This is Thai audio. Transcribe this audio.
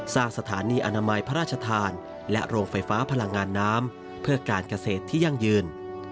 สร้างสถานีอนามัยพระราชทานและโรงไฟฟ้าพลังงานน้ำเพื่อการเกษตรที่ยั่งยืน